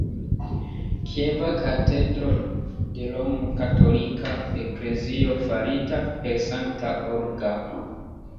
Kieva katedro de Romkatolika Eklezio, farita per Sankta Olga.